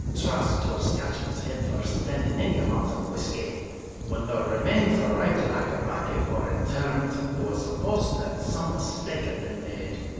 Trust to a Scotchman's head for standing any amount of whisky. When the remains arrived at Auchimachie for interment, it was supposed that some mistake had been made.